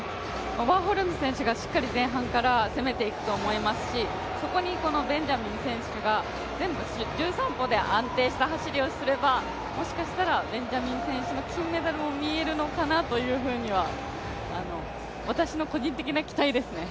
ワーホルム選手がしっかり前半から攻めていくと思いますしそこにベンジャミン選手が全部１３歩で安定した走りをすればもしかしたらベンジャミン選手の金メダルも見えるのかなというふうには私の個人的な期待ですね。